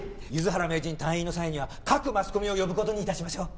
柚原名人退院の際には各マスコミを呼ぶ事に致しましょう。